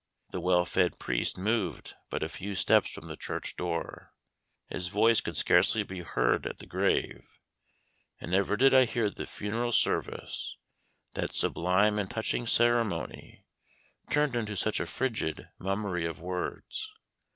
The well fed priest moved but a few steps from the church door; his voice could scarcely be heard at the grave; and never did I hear the funeral service, that sublime and touching ceremony, turned into such a frigid mummery of words.